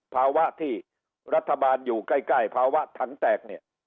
ภาวะที่รัฐบาลอยู่ใกล้ภาวะถังแตกเนี่ย